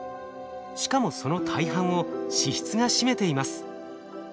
しかもその大半を脂質が占めています。